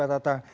baik pak tata